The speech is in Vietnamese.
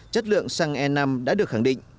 chất lượng xăng e năm đã được khẳng định